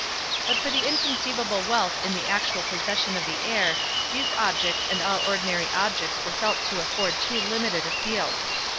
But for the inconceivable wealth in the actual possession of the heir, these objects and all ordinary objects were felt to afford too limited a field.